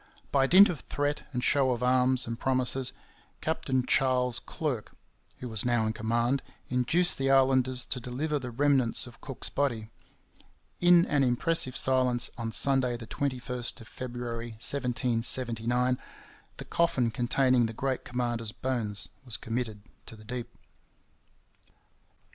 By dint of threat and show of arms and promises, Captain Charles Clerke, who was now in command, induced the islanders to deliver the remnants of Cook's body. In an impressive silence, on Sunday the 21st of February 1779, the coffin containing the great commander's bones was committed to the deep.